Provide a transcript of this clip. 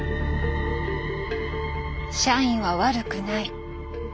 「社員は悪くない」。